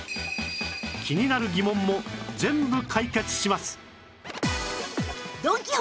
気になる疑問も全部解決します！